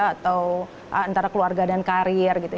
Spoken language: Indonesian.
atau antara keluarga dan karir gitu